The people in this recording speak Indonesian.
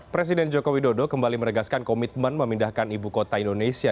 presiden jokowi dodo kembali meregaskan komitmen memindahkan ibu kota indonesia